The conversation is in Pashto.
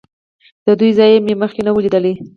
د دوی ځای مې مخکې نه و لیدلی.